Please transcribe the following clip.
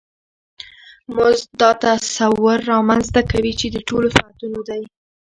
مزد دا تصور رامنځته کوي چې د ټولو ساعتونو دی